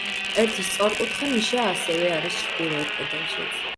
ერთი სწორკუთხა ნიშა ასევე არის ჩრდილოეთ კედელშიც.